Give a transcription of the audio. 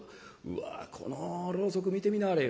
うわこのろうそく見てみなはれ。